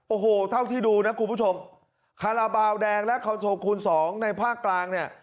โอ้โหเท่าที่ดูนะคุณผู้ชมคาราบาลแดงและคอนโทรคูณสองในภาคกลางเนี่ย